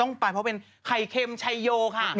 ต้องไปเพราะเป็นไข่เค็มชัยโยค่ะ